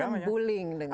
ini semacam bullying